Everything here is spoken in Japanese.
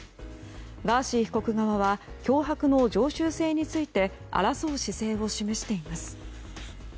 ガーシー被告側は脅迫の常習性について争う姿勢を示しています。